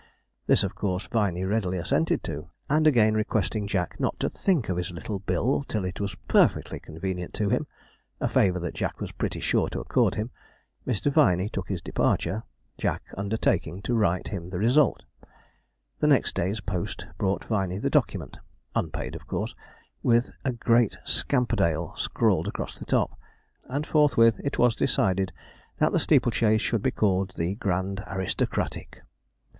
This, of course, Viney readily assented to, and again requesting Jack not to think of his little bill till it was perfectly convenient to him a favour that Jack was pretty sure to accord him Mr. Viney took his departure, Jack undertaking to write him the result. The next day's post brought Viney the document unpaid, of course with a great 'Scamperdale' scrawled across the top; and forthwith it was decided that the steeple chase should be called the 'Grand Aristocratic.'